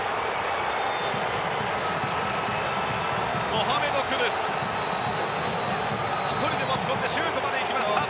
モハメド・クドゥスが１人で持ち込んでシュートまでいきました。